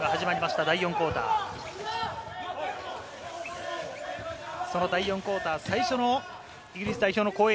その第４クオーター、最初のイギリス代表の攻撃。